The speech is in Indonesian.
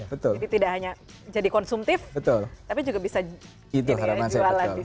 jadi tidak hanya jadi konsumtif tapi juga bisa dijualan di situ